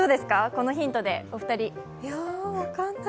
このヒントで、お二人。